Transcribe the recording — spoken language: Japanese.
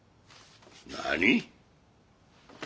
何？